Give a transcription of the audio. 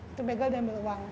itu begal diambil uang